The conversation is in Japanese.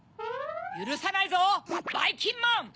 ゆるさないぞばいきんまん！